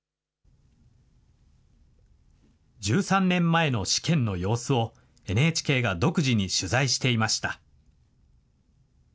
１３年前の試験の様子を、ＮＨＫが独自に取材していました。